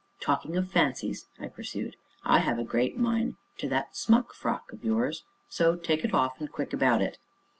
"Talking of fancies," I pursued, "I have a great mind to that smock frock of yours, so take it off, and quick about it."